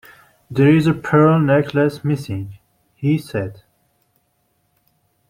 "There is a pearl necklace missing," he said.